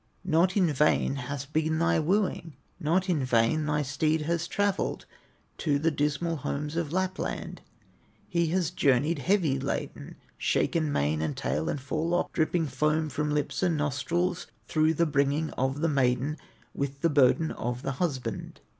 Not in vain has been thy wooing, Not in vain thy steed has travelled To the dismal homes of Lapland; He has journeyed heavy laden, Shaken mane, and tail, and forelock, Dripping foam from lips and nostrils, Through the bringing of the maiden, With the burden of the husband.